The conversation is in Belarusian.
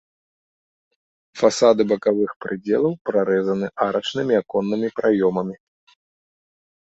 Фасады бакавых прыдзелаў прарэзаны арачнымі аконнымі праёмамі.